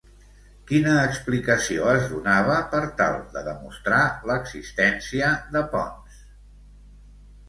Quina explicació es donava per tal de demostrar l'existència de Ponç?